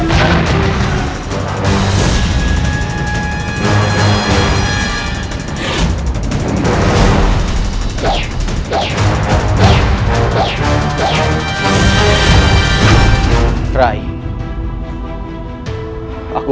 tapi dia homepala ku